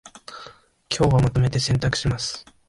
今日はまとめて洗濯します